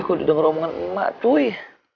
kok udah denger omongan emak tuh